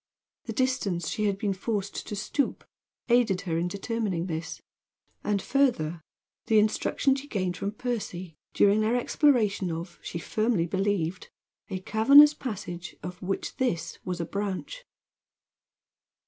The distance she had been forced to stoop aided her in determining this; and, further, the instruction she gained from Percy, during their exploration of, she firmly believed, a cavernous passage of which this was a branch.